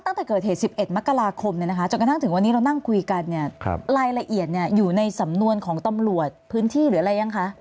ตั้งแต่เกิดเหตุ๑๑มกราคมจนกระทั่งถึงวันนี้เรานั่งคุยกันเนี่ยรายละเอียดอยู่ในสำนวนของตำรวจพื้นที่หรืออะไรยังคะ